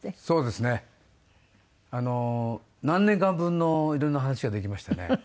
そうですね。何年間分の色んな話ができましたね。